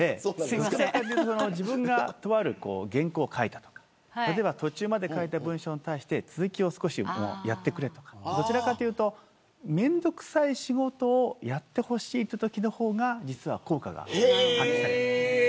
自分がとある原稿を書いたとか例えば途中まで書いた文章に対して続きをやってくれとかどちらかというと面倒くさい仕事をやってほしいというときの方が実は効果が発揮されます。